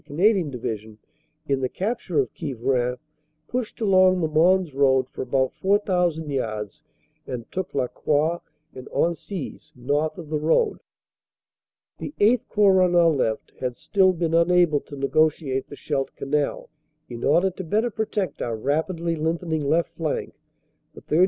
Canadian Division in the capture of Quievrain, pushed along the Mons road for about 4,000 yards and took La Croix and Hensies, north of the road. "The VIII Corps on our left had still been unable to WELCOME TO THE DELIVERER 379 negotiate the Scheldt Canal. In order to better protect our rapidly lengthening left flank, the 3rd.